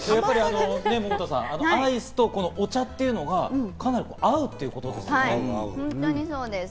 百田さん、アイスとお茶というのが、かなり合うということですけれども。